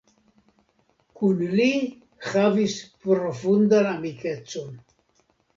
Kun li havis profundan amikecon.